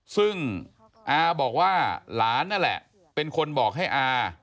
ซึ่งอาบอกว่าหลานนั่นแหละเป็นคนบอกให้อา